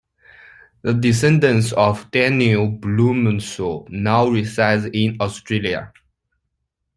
The descendants of Daniel Blumenthal now reside in Australia.